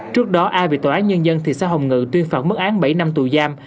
trước đó ai bị tòa án nhân dân thị xã hồng ngự tuyên phản mức án bảy năm tù giam